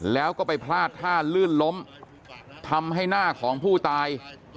แล้วก็ไปพลาดท่าลื่นล้มทำให้หน้าของผู้ตาย